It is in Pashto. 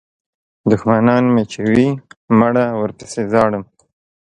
دوښمنان مې چې وي مړه ورپسې ژاړم.